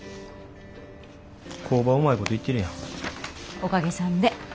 おかげさんで。